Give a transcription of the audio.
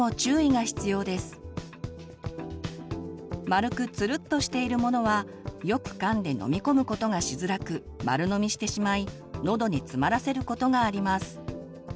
丸くつるっとしているものはよくかんで飲み込むことがしづらく丸飲みしてしまいのどに詰まらせることがあります。